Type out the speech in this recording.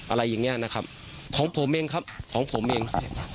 อะไรอย่างเงี้ยนะครับของผมเองครับของผมเอง